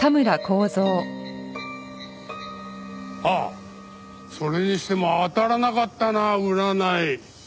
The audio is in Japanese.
あっそれにしても当たらなかったな占い。